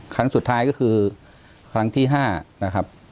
ครั้งสุดท้ายก็คือครั้งที่๕นะครับ